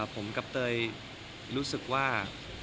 ผมกับเตยรู้สึกว่า